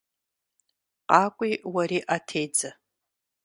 КъакӀуи, уэри Ӏэ тедзэ.